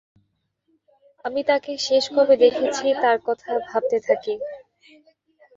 আমি তাকে শেষ কবে দেখেছি তার কথা ভাবতে থাকি।